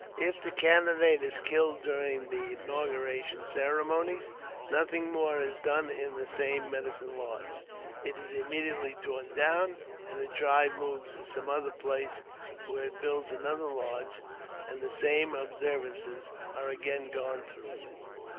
If the candidate is killed during the inaugurating ceremonies, nothing more is done in the same medicine lodge : it is immediately torn down, and the tribe moves to some other place, where it JAMES P. BECKWOUBTH. 246 builds another lodge, and the same observances are again gone through with.